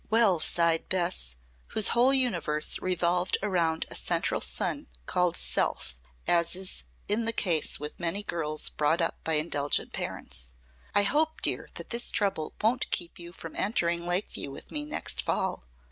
"Well," signed Bess, whose whole universe revolved around a central sun called Self, as is the case with many girls brought up by indulgent parents. "I hope, dear, that this trouble won't keep you from entering Lakeview with me next fall."